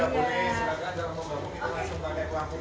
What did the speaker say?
boleh silakan dalam rombongan ini langsung